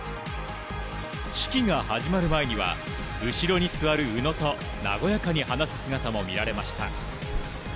式が始まる前には後ろに座る宇野と和やかに話す姿も見られました。